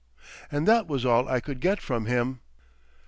And that was all I could get from him.